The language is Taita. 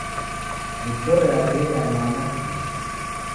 Michoro yake yeka ya mana shuu.